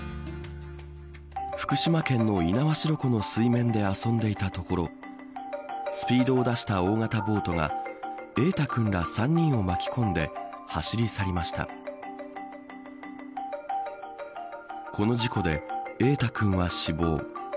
福島県の猪苗代湖の水面で遊んでいたところスピードを出した大型ボートが瑛大君ら３人を巻き込んで走り去りましたこの事故で瑛大君は死亡。